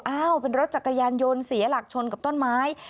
เป็นรถจักรยานยนต์เสียหลักชนกับต้นไม้